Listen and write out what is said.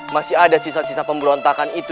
masih ada sisa sisa pemberontakan itu